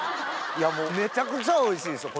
もうめちゃくちゃおいしいですよ